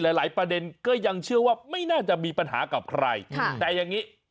หลายประเด็นก็ยังเชื่อว่าไม่น่าจะมีปัญหากับใครแต่อย่างนี้